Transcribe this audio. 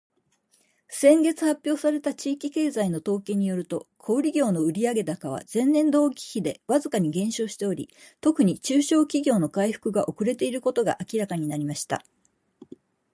「先月発表された地域経済の統計によると、小売業の売上高は前年同期比でわずかに減少しており、特に中小企業の回復が遅れていることが明らかになりました。」